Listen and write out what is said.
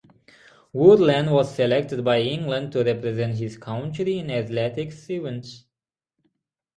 Woodland was selected by England to represent his country in athletics events.